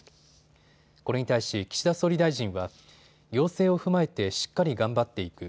これに対し岸田総理大臣は要請を踏まえてしっかり頑張っていく。